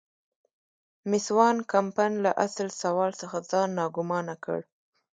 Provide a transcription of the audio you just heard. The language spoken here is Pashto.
مېس وان کمپن له اصل سوال څخه ځان ناګومانه کړ.